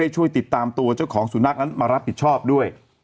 ช่วยติดตามตัวเจ้าของสุนัขนั้นมารับผิดชอบด้วย